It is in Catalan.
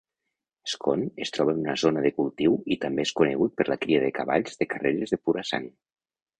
Scone es troba en una zona de cultiu i també és conegut per la cria de cavalls de carreres de pura sang.